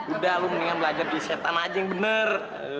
udah lu mendingan belajar di setan aja yang bener